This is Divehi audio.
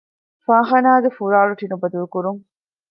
ފާޚާނާގެ ފުރާޅު ޓިނުބަދަލުކުރުން